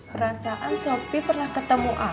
perasaan sopi pernah ketemu a'a